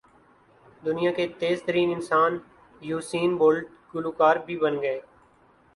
دنیا کے تیز ترین انسان یوسین بولٹ گلو کار بھی بن گئے